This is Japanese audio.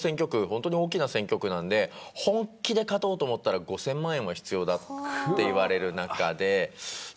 本当に大きな選挙区なので本気で勝とうと思ったら５０００万円は必要だといわれる中で。